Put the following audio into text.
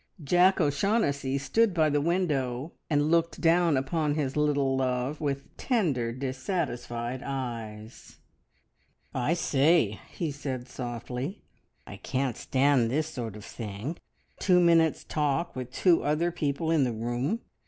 Jack O'Shaughnessy stood by the window, and looked down upon his little love with tender, dissatisfied eyes. "I say," he said softly, "I can't stand this sort of thing! Two minutes' talk, with two other people in the room.